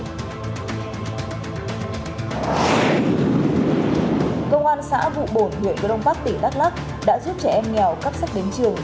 công an xã vụ bột huyện cơ đông bắc tỉ đắk lắk đã giúp trẻ em nghèo cắp sách đến trường